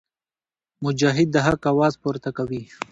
مجاهد د حق اواز پورته کوي.